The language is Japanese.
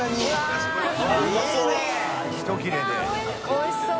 おいしそう。